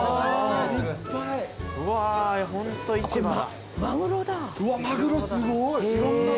うわマグロすごい。